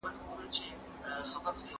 پوښتنه د زده کوونکي له خوا کيږي!.